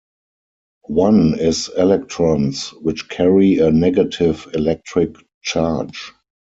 One is electrons, which carry a negative electric charge.